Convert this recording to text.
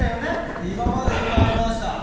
今までいっぱいありました。